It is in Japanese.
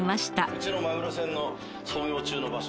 うちのマグロ船の操業中の場所とか。